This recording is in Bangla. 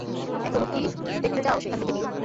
এখনও কি দেখতছ চাও সেখান থেকে ভিউ?